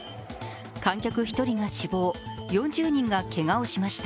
観客１人が死亡４０人がけがをしました。